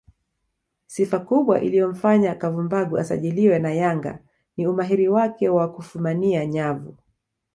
Sifa kubwa iliyomfanya Kavumbagu asajiliwe na Yanga ni umahiri wake wa kufumania nyavu